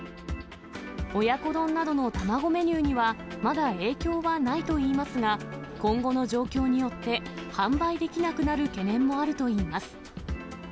親子丼などの卵メニューには、まだ影響はないといいますが、今後の状況によって、販売できなくなる懸念もあるといいます。